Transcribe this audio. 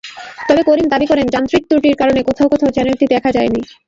তবে করিম দাবি করেন, যান্ত্রিক ত্রুটির কারণে কোথাও কোথাও চ্যানেলটি দেখা যায়নি।